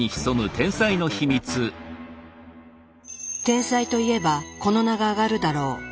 天才といえばこの名が挙がるだろう。